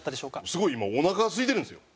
すごい今おなかがすいてるんですよ。